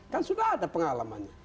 kan sudah ada pengalamannya